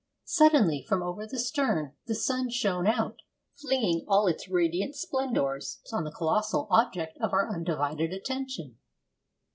Suddenly, from over the stern, the sun shone out, flinging all its radiant splendours on the colossal object of our undivided attention.